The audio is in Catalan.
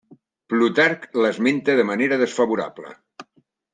Plutarc l'esmenta de manera desfavorable.